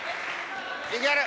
いける！